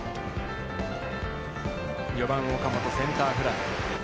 ４番岡本センターフライ。